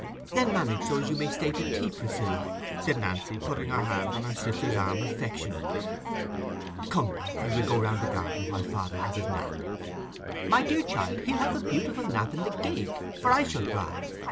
"Then manage so as you may stay tea, Priscilla," said Nancy, putting her hand on her sister's arm affectionately. "Come now; and we'll go round the garden while father has his nap." "My dear child, he'll have a beautiful nap in the gig, for I shall drive.